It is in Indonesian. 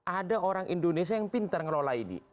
ada orang indonesia yang pintar ngelola ini